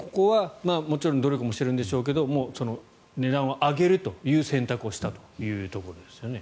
ここはもちろん努力もしてるんでしょうけど値段を上げるという選択をしたということですね。